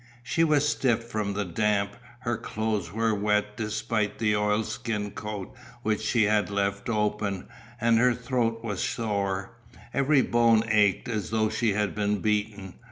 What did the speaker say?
She was stiff from the damp, her clothes were wet despite the oilskin coat which she had left open, and her throat was sore, every bone ached as though she had been beaten.